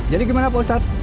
jadi gimana pak ustadz